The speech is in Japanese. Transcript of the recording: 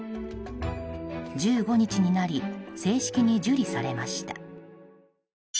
１５日になり正式に受理されました。